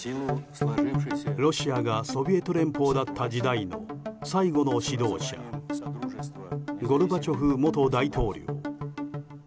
ロシアがソビエト連邦だった時代の最後の指導者ゴルバチョフ元大統領。